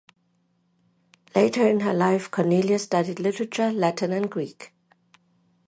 Later in her life, Cornelia studied literature, Latin, and Greek.